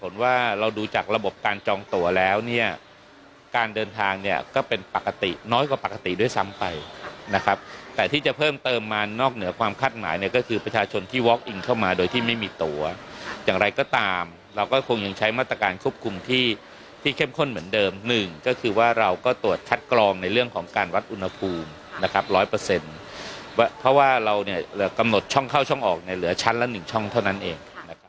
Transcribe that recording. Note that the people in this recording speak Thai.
นะครับร้อยเปอร์เซ็นต์เพราะว่าเราเนี่ยกำหนดช่องเข้าช่องออกในเหลือชั้นละหนึ่งช่องเท่านั้นเอง